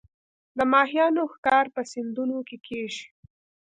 د ماهیانو ښکار په سیندونو کې کیږي